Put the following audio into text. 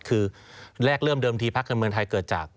คือแรกเริ่มเดิมทีพักการเมืองไทยเกิดจาก